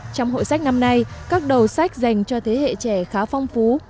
trong hội sách năm nay các đầu sách dành cho thế hệ trẻ khá phong phú